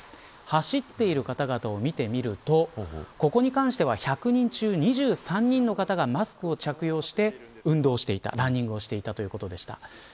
走っている方々を見てみるとここに関しては１００人中２３人の方がマスクを着用して運動していたランニングしていたということでした。